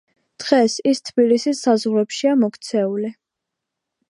დღეს ის თბილისის საზღვრებშია მოქცეული.